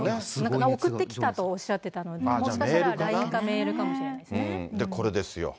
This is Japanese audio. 送ってきたとおっしゃっていたので、もしかしたら、ＬＩＮＥこれですよ。